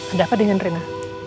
ada apa diingin reina